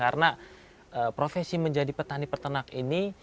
karena profesi menjadi petani petanak ini